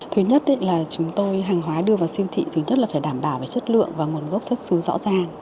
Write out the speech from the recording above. thứ nhất là chúng tôi hàng hóa đưa vào siêu thị thứ nhất là phải đảm bảo về chất lượng và nguồn gốc xuất xứ rõ ràng